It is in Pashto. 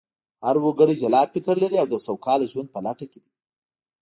هر وګړی جلا فکر لري او د سوکاله ژوند په لټه کې دی